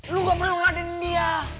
lo gak perlu ngeladainin dia